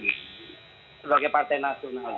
memang dalam program program itu aksentuasinya kemana